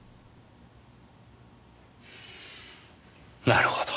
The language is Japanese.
なるほど。